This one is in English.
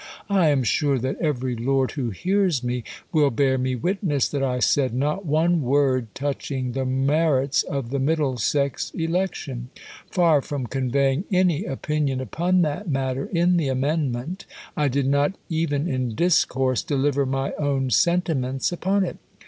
I am sure that every lord who hears me, will bear me witness that I said not one word touching the mer its of the Middlesex election. Far from conveying any opinion upon that matter in the amendment, I did not, even in discourse, deliver my own sentiments upon it.